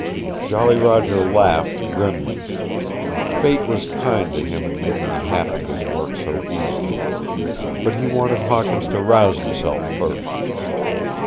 Jolly Roger laughed grimly. Fate was kind to him in making a half of his work so easy. But he wanted Hawkins to rouse himself first.